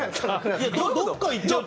どこか行っちゃうって。